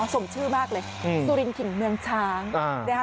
สมชื่อมากเลยสุรินถิ่นเมืองช้างนะคะ